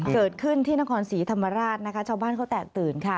เกิดขึ้นที่นครศรีธรรมราชนะคะชาวบ้านเขาแตกตื่นค่ะ